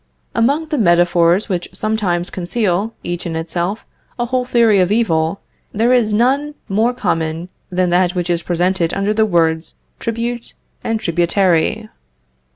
Among the metaphors which sometimes conceal, each in itself, a whole theory of evil, there is none more common than that which is presented under the words tribute and tributary.